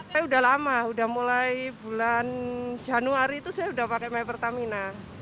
saya udah lama udah mulai bulan januari itu saya sudah pakai my pertamina